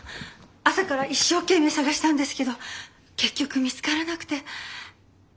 朝から一生懸命捜したんですけど結局見つからなくて。